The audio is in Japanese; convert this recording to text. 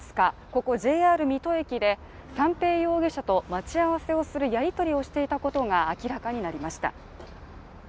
ここＪＲ水戸駅で三瓶容疑者と待ち合わせをするやりとりをしていたことが明らかになりました。